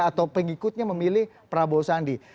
atau pengikutnya memilih prabowo sandi